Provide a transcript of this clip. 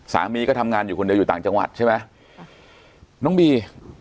สามีก็ทำงานอยู่คนเดียวอยู่ต่างจังหวัดใช่ไหมน้องบี